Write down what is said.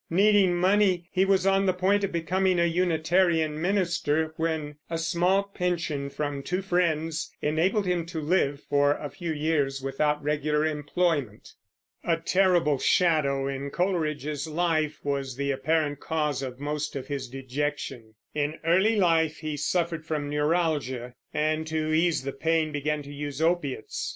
Needing money, he was on the point of becoming a Unitarian minister, when a small pension from two friends enabled him to live for a few years without regular employment. A terrible shadow in Coleridge's life was the apparent cause of most of his dejection. In early life he suffered from neuralgia, and to ease the pain began to use opiates.